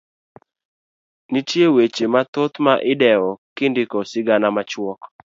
Nitie weche mathoth ma idewo kindiko sigana machuok.